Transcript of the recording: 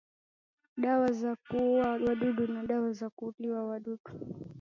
dawa za kuua wadudu na dawa za kuulia wadudu